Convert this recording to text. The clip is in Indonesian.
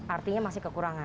artinya masih kekurangan